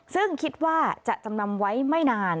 ซึ่งคิดว่าจะจำนำไว้ไม่นาน